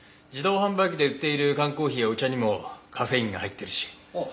自動販売機で売っている缶コーヒーやお茶にもカフェインが入ってるし。